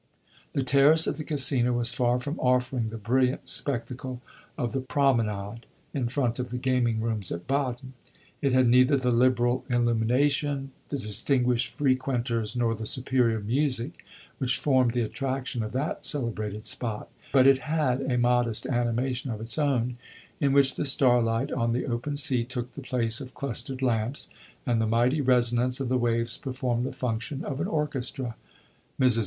The terrace of the Casino was far from offering the brilliant spectacle of the promenade in front of the gaming rooms at Baden. It had neither the liberal illumination, the distinguished frequenters, nor the superior music which formed the attraction of that celebrated spot; but it had a modest animation of its own, in which the starlight on the open sea took the place of clustered lamps, and the mighty resonance of the waves performed the function of an orchestra. Mrs.